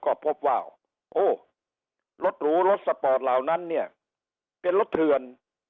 ก็พบว่าโอ้รถหรูรถสปอร์ตเหล่านั้นเนี่ยเป็นรถเถื่อน